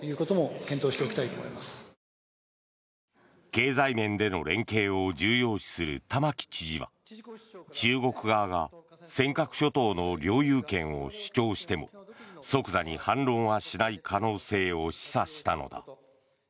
経済面での連携を重要視する玉城知事は中国側が尖閣諸島の領有権を主張しても即座に反論はしない可能性を示唆したのだ。